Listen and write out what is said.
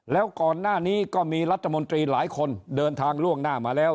แล้วก่อนหน้านี้ก็มีรัฐมนตรีหลายคนเดินทางล่วงหน้ามาแล้ว